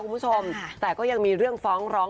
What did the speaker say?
คุณผู้ชมแต่ก็ยังมีเรื่องฟ้องร้อง